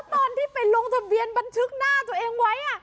ตอนที่ไปลงทะเบียนบันทึกหน้าตัวเองไว้